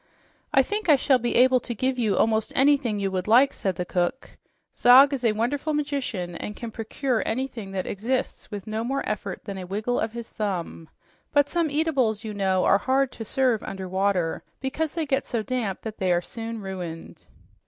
"I think I shall be able to give you almost anything you would like," said the cook. "Zog is a wonderful magician and can procure anything that exists with no more effort than a wiggle of his thumb. But some eatables, you know, are hard to serve under water, because they get so damp that they are soon ruined."